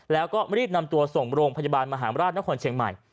แล้วก็รีบนำตัวส่งโรงพยาบาลมหาราชนครเชียงใหม่